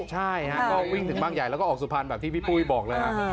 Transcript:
ใช่ก็วิ่งถึงบ้านใหญ่แล้วก็ออกสุพรรณแบบที่พี่ปุ้ยบอกเลย